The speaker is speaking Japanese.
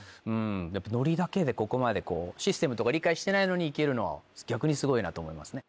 ノリだけでここまでシステムとか理解してないのに行けるのは逆にすごいなと思いますね。